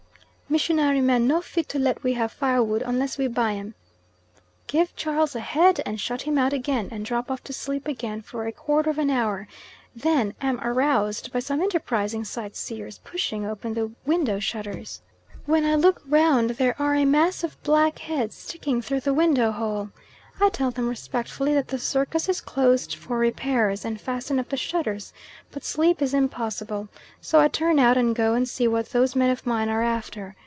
"Missionary man no fit to let we have firewood unless we buy em." Give Charles a head and shut him out again, and drop off to sleep again for a quarter of an hour, then am aroused by some enterprising sightseers pushing open the window shutters; when I look round there are a mass of black heads sticking through the window hole. I tell them respectfully that the circus is closed for repairs, and fasten up the shutters, but sleep is impossible, so I turn out and go and see what those men of mine are after.